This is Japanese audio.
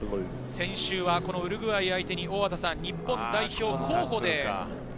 先週はウルグアイ相手に日本代表候補で。